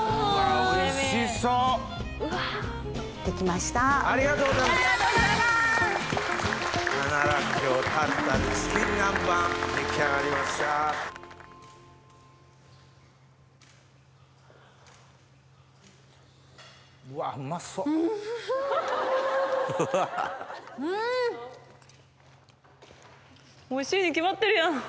おいしいに決まってるやん。